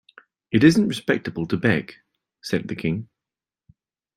‘It isn’t respectable to beg,’ said the King.